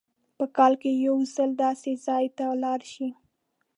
په کال کې یو ځل داسې ځای ته لاړ شئ.